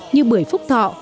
như bưởi phúc thọ